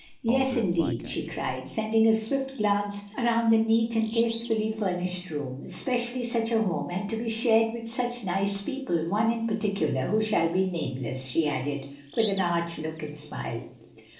"Yes, indeed!" she cried, sending a swift glance around the neat and tastefully furnished room, "especially such a home, and to be shared with such nice people; one in particular who shall be nameless," she added, with an arch look and smile.